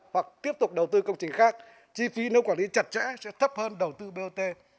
hoặc tiếp tục đầu tư công trình khác chi phí nếu quản lý chặt chẽ sẽ thấp hơn đầu tư bot